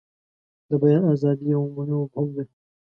د بیان ازادي یو عمومي مفهوم دی.